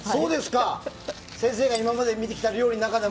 先生が今まで見てきた料理の中でも。